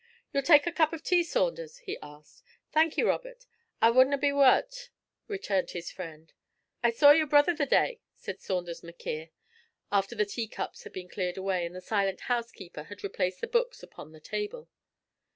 'You'll take a cup of tea, Saunders?' he asked. 'Thank ye, Robert, I wadna be waur o't,' returned his friend. 'I saw your brither the day,' said Saunders M'Quhirr, after the tea cups had been cleared away, and the silent housekeeper had replaced the books upon the table.